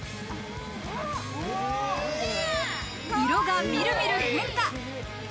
色がみるみる変化。